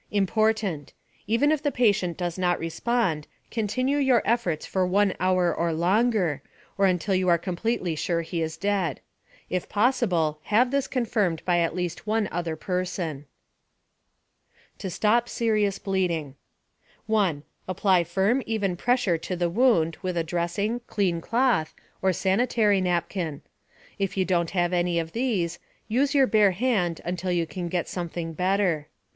Important: Even if the patient does not respond, continue your efforts for 1 hour or longer, or until you are completely sure he is dead. If possible, have this confirmed by at least one other person. TO STOP SERIOUS BLEEDING 1. Apply firm, even pressure to the wound with a dressing, clean cloth, or sanitary napkin. If you don't have any of these, use your bare hand until you can get something better.